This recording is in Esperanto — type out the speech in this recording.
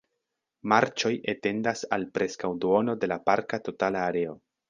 Marĉoj etendas al preskaŭ duono de la parka totala areo.